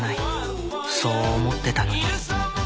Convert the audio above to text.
そう思ってたのに